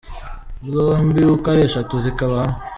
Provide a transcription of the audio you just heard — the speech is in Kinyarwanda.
Zombi uko ari eshatu zikaba hamwe.